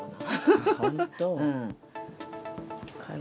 本当？